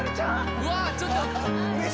うわちょっと。